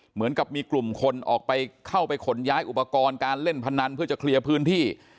เหมือนกับมีกลุ่มคนออกไปเข้าไปขนย้ายอุปกรณ์การเล่นพนันเพื่อจะเคลียร์พื้นที่